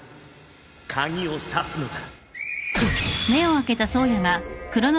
鍵を挿すのだ。